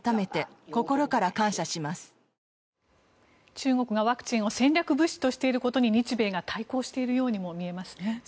中国がワクチンを戦略物資としていることに日米が対抗しているようにも見えますね。